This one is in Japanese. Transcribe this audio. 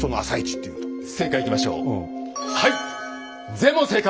全問正解！